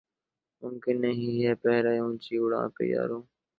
ممکن نہیں ہے پہرہ اونچی اڑاں پہ یارو